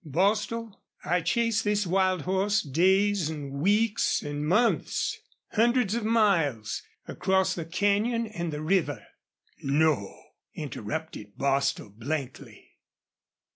"Bostil, I chased this wild horse days an' weeks an' months, hundreds of miles across the canyon an' the river " "No!" interrupted Bostil, blankly.